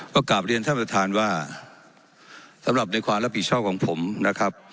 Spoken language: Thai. ก็กลับเรียนท่านประธานว่าสำหรับในความรับผิดชอบของผมนะครับ